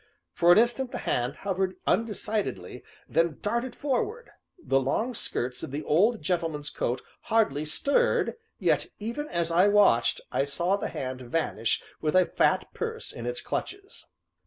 For an instant the hand hovered undecidedly, then darted forward the long skirts of the old gentleman's coat hardly stirred, yet, even as I watched, I saw the hand vanish with a fat purse in its clutches.